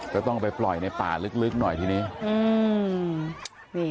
ก็ต้องไปปล่อยในป่าลึกหน่อยทีนี้อืม